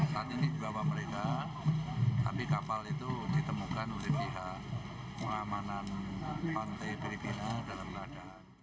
saat ini dibawa mereka tapi kapal itu ditemukan oleh pihak pengamanan pantai filipina dalam keadaan